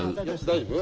大丈夫？